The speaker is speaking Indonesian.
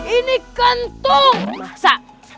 ini kentung masa